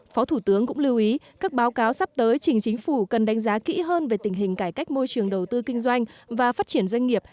phó thủ tướng cũng lưu ý các báo cáo sắp tới trình chính phủ cần đánh giá kỹ hơn về tình hình cải cách môi trường đầu tư kinh doanh và phát triển doanh nghiệp